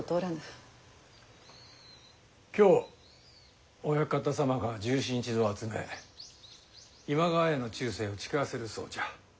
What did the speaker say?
今日お屋形様が重臣一同を集め今川への忠誠を誓わせるそうじゃ。